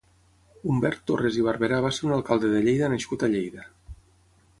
Humbert Torres i Barberà va ser un alcalde de Lleida nascut a Lleida.